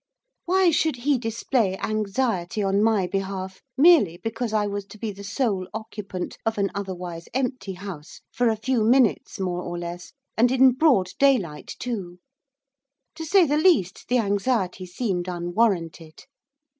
Why should he display anxiety on my behalf merely because I was to be the sole occupant of an otherwise empty house for a few minutes more or less, and in broad daylight too! To say the least, the anxiety seemed unwarranted.